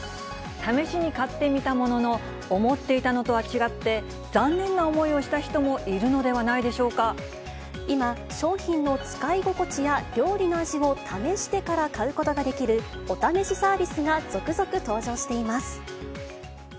試しに買ってみたものの、思っていたのとは違って、残念な思いをした人もいるのではないで今、商品の使い心地や料理の味を試してからかうことができる、お試しサービスが続々登場しています。